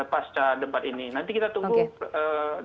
pasca debat ini nanti kita tunggu